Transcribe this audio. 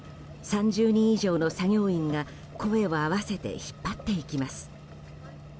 ３０人以上の作業員が声を合わせて引っ張っていきます。